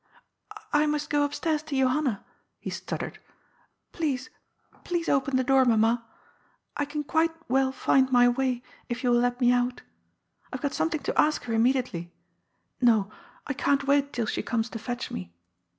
" I must go upstairs to Johanna," he stuttered. " Please, please open the door, mamma. I can quite well find my way if you will let me out. I have got something to ask her immediately. No ; I can't wait till she comes to fetch me.